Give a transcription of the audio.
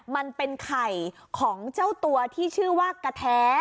มันเป็นไข่ของเจ้าตัวที่ชื่อว่ากะแท้